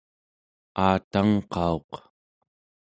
aatangqauq